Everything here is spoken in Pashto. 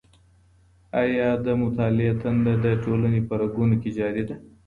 آيا د مطالعې تنده د ټولني په رګونو کي جاري ده؟